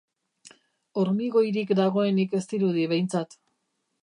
Hormigoirik dagoenik ez dirudi behintzat.